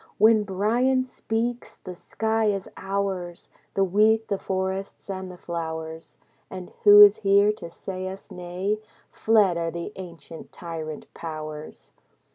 When Bryan speaks, the sky is ours, The wheat, the forests, and the flowers. And who is here to say us nay? Fled are the ancient tyrant powers.